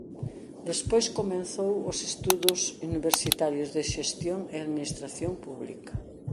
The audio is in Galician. Despois comezou os estudos universitarios de Xestión e administración pública.